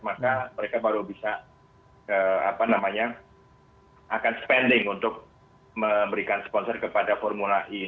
maka mereka baru bisa akan spending untuk memberikan sponsor kepada formula e